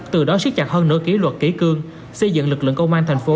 từ đó siết chặt hơn nửa ký luật ký cương xây dựng lực lượng công an tp hcm